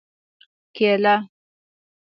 🍌کېله